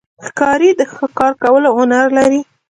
ښکاري د ښکار کولو هنر لري.